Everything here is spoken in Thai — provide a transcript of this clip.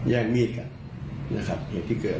แย่งมีดกันนะครับเหตุที่เกิด